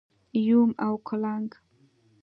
🪏 یوم او کولنګ⛏️